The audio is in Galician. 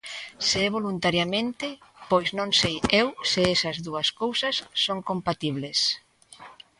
Se é voluntariamente, pois non sei eu se esas dúas cousas son compatibles.